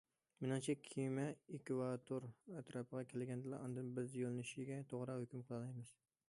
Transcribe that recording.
مېنىڭچە، كېمە ئېكۋاتور ئەتراپىغا كەلگەندىلا ئاندىن بىز يۆلىنىشكە توغرا ھۆكۈم قىلالايمىز.